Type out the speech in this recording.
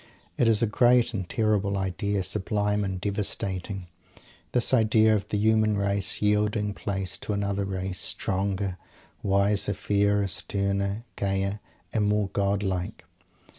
It is a great and terrible idea, sublime and devastating, this idea of the human race yielding place to another race, stronger, wiser, fairer, sterner, gayer, and more godlike!